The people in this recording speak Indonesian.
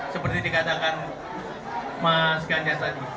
seperti dikatakan mas ganjar tadi